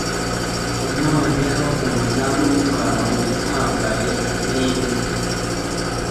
noneho umuzamu we twabonye twambaye nkinka